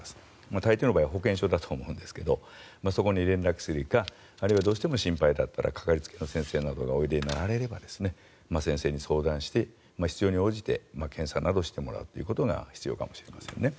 たいていの場合は保健所だと思いますがそこに連絡するか、あるいはどうしても心配だったらかかりつけの先生などがおいでになられれば先生に相談して、必要に応じて検査などをしてもらうことが必要かもしれませんね。